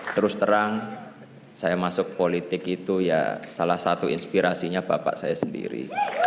terus terang saya masuk politik itu ya salah satu inspirasinya bapak saya sendiri